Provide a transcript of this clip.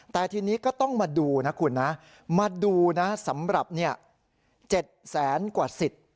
แต่ทีนี้ก็ต้องมาดูนะคุณนะมาดูนะสำหรับ๗แสนกว่าสิทธิ์